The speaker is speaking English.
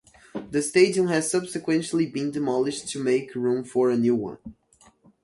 The stadium has subsequently been demolished to make room for a new one.